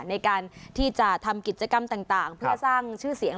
ในการที่จะทำกิจกรรมต่างเพื่อสร้างชื่อเสียง